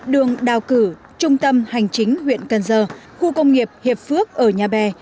đường đào cử trung tâm hành chính huyện cần giờ khu công nghiệp hiệp phước ở nhà bè